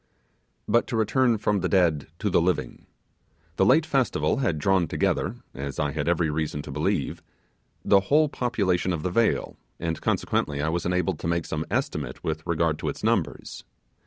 But to return from the dead to the living. The late festival had drawn together, as I had every reason to believe, the whole population of the vale, and consequently I was enabled to make some estimate with regard to its numbers.